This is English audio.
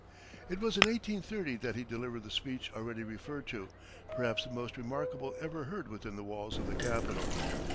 It was in 1830 that he delivered the speech already referred to perhaps the most remarkable ever heard within the walls of the Capitol.